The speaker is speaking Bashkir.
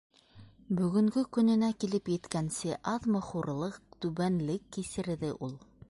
Бөгөнгө көнөнә килеп еткәнсе аҙмы хурлыҡ, түбәнлек кисерҙе ул!